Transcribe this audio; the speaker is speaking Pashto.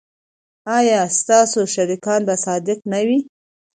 ایا ستاسو شریکان به صادق نه وي؟